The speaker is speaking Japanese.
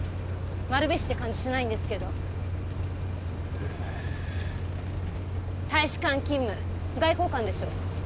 丸菱って感じしないんですけど大使館勤務外交官でしょ？